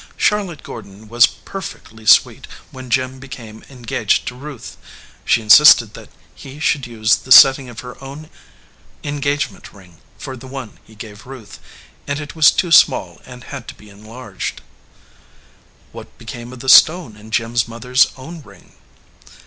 Charlotte Gordon was perfectly sweet when Jim became engaged to Ruth; she insisted that he should use the setting of her own engage ment ring for the one he gave Ruth, and it was too small and had to be enlarged." "What became of the stone in Jim s mother s own ring?"